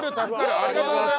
ありがとうございます。